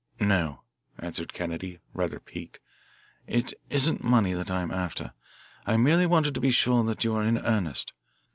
"No," answered Kennedy, rather piqued, "it isn't money that I am after. I merely wanted to be sure that you are in earnest.